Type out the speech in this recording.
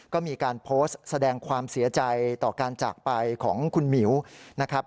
ก็มีการโพสต์แสดงความเสียใจต่อการจากไปของคุณหมิวนะครับ